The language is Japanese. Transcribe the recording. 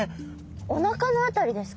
おなかの辺りですか？